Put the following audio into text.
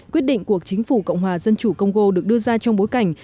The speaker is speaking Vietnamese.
quyết định của chính phủ cộng hòa dân chủ congo được đưa ra trong bối cảnh